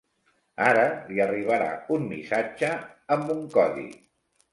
Ara li arribarà un missatge amb un codi.